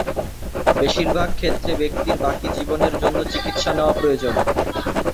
বেশিরভাগ ক্ষেত্রে, ব্যক্তির বাকি জীবনের জন্য চিকিৎসা নেওয়া প্রয়োজন।